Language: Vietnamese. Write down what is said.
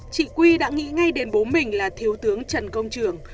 chị quy đã nghĩ ngay đến bố mình là thiếu tướng trần công trường